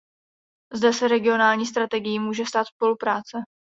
Zde se racionální strategií může stát spolupráce.